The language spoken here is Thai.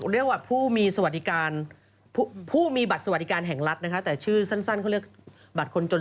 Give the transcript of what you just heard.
เรียกว่าผู้มีบัตรสวัสดิการแห่งรัฐแต่ชื่อสั้นเขาเรียกว่าบัตรคนจน